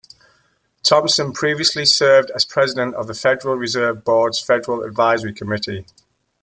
Thompson previously served as president of the Federal Reserve Board's Federal Advisory Committee.